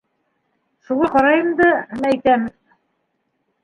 Шуға ҡарайым да, мәйтәм...